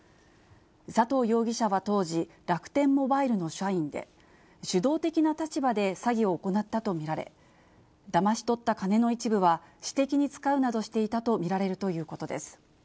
佐藤容疑者は当時、楽天モバイルの社員で、主導的な立場で詐欺を行ったと見られ、だまし取った金の一部は私的に使うなどしていたと見られるということです。